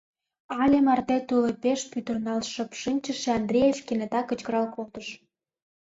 — але марте тулупеш пӱтырналт шып шинчыше Андреев кенета кычкырал колтыш.